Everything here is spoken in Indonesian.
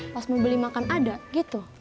pas mobil makan ada gitu